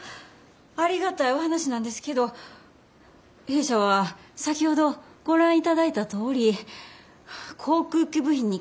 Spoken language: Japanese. ありがたいお話なんですけど弊社は先ほどご覧いただいたとおり航空機部品に関して経験がありません。